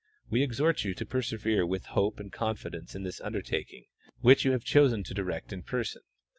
We exhort you to persevere with hope and confidence in this undertaking, which you have chosen to direct in person.